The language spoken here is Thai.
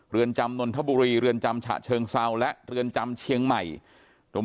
เรือนจำนนทบุรีเรือนจำฉะเชิงเซาและเรือนจำเชียงใหม่ตรง